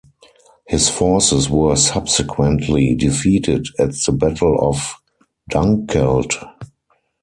His forces were subsequently defeated at the Battle of Dunkeld.